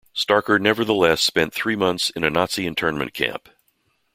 Starker nevertheless spent three months in a Nazi internment camp.